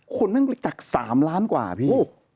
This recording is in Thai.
คนนั่งรู้จัก๓ล้านกว่าพี่